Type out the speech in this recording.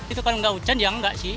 itu kan enggak hujan ya enggak sih